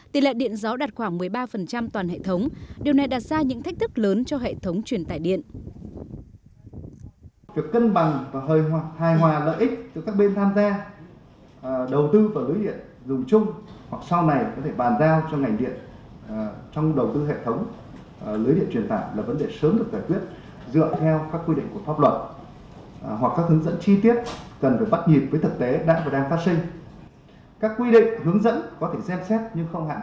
tỉ lệ điện gió đạt khoảng một mươi ba toàn hệ thống điều này đặt ra những thách thức lớn cho hệ thống truyền tài điện